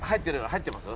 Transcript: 入ってます？